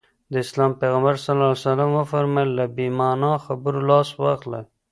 د اسلام پيغمبر ص وفرمايل له بې معنا خبرو لاس واخلي.